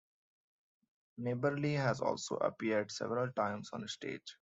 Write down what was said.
Maberly has also appeared several times on stage.